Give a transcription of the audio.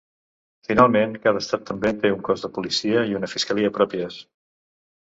Finalment, cada estat també té un cos de policia i una fiscalia pròpies.